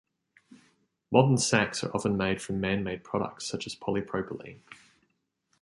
Modern sacks are often made from man-made products such as polypropylene.